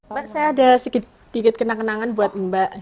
mbak saya ada sedikit kena kenangan buat mbak